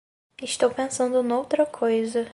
estou pensando noutra coisa